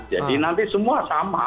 jadi nanti semua sama